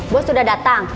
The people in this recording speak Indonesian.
bu sudah datang